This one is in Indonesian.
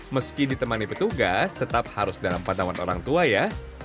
meski ditemani petugas tetap harus dalam pandangan orang tua ya